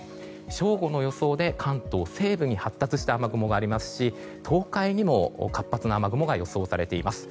正午の予想で関東西部に発達した雨雲がありますし東海にも活発な雨雲が予想されています。